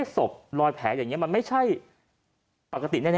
ศพลอยแผลอย่างนี้มันไม่ใช่ปกติแน่